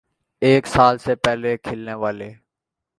ایک سال سے کچھ پہلے کھلنے والے